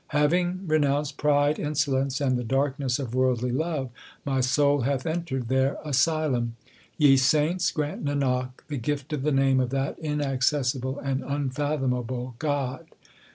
Having renounced pride, insolence, and the darkness of worldly love, My soul hath entered their asylum. Ye saints, grant Nanak the gift of the name of that in acccessible and unfathomable God.